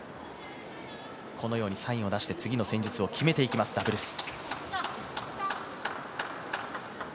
このようにサインを出して次の戦術を決めていきます、ダブルス。